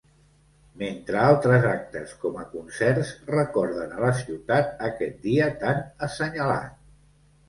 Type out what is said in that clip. Mentre altres actes, com a concerts, recorden a la ciutat aquest dia tan assenyalat.